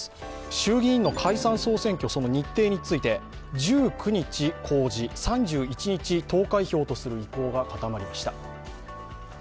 衆議院の解散総選挙、その日程について、１９日公示、３１日投開票とする意向が固まりました。